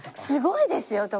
すごいですよ！